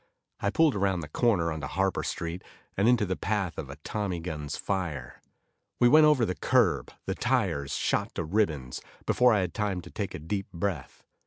I pulled around the corner onto Harper street, and into the path of a tommy gun's fire. We went over the curb, the tires shot to ribbons, before I had time to take a deep breath.